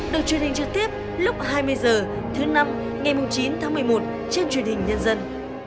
được truyền hình trực tiếp lúc hai mươi h thứ năm ngày chín tháng một mươi một trên truyền hình nhân dân